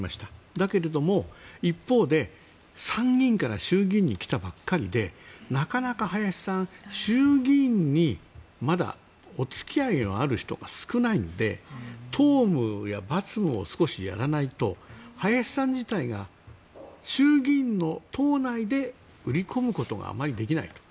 だけども、一方で参議院から衆議院に来たばかりでなかなか林さんは衆議院にまだお付き合いのある人が少ないので党務や閥務を少しやらないと林さん自体が衆議院の党内で売り込むことがあまりできないと。